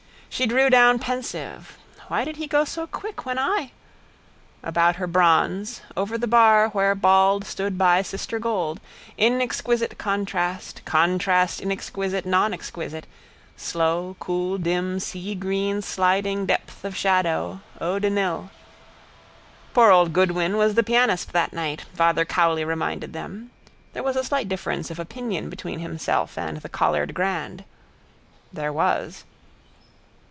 She drew down pensive (why did he go so quick when I?) about her bronze, over the bar where bald stood by sister gold, inexquisite contrast, contrast inexquisite nonexquisite, slow cool dim seagreen sliding depth of shadow, eau de Nil. —Poor old Goodwin was the pianist that night, Father Cowley reminded them. There was a slight difference of opinion between himself and the Collard grand. There was.